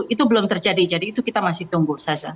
itu belum terjadi jadi itu kita masih tunggu saja